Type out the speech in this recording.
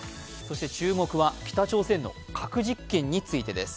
注目は北朝鮮の核実験についてです。